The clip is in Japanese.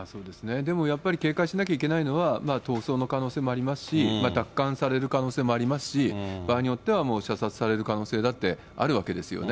でもやっぱり警戒しなきゃいけないのは、逃走の可能性もありますし、奪還される可能性もありますし、場合によっては射殺される可能性だってあるわけですよね。